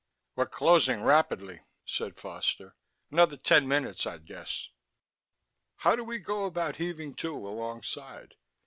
"We're closing rapidly," said Foster. "Another ten minutes, I'd guess...." "How do we go about heaving to, alongside?